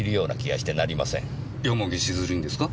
蓬城静流にですか？